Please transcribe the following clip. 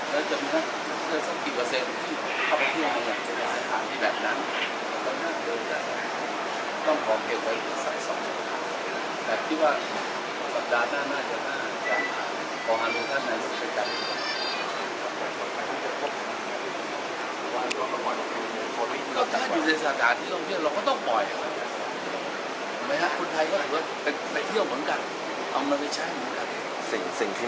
ถ้าจ่ายเพิ่มครึ่งบันเท่าไหร่จากนักเที่ยวนักเที่ยวก่อนหนึ่งคน